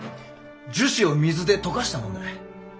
樹脂を水で溶かしたものだ。